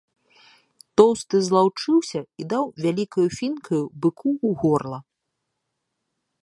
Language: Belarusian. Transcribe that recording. Тоўсты злаўчыўся і даў вялікаю фінкаю быку ў горла.